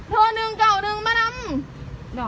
หนึ่งเก่าหนึ่งมาดำ